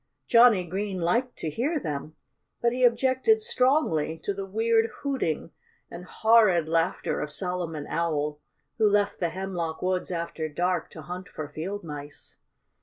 Johnnie Green liked to hear them. But he objected strongly to the weird hooting and horrid laughter of Solomon Owl, who left the hemlock woods after dark to hunt for field mice.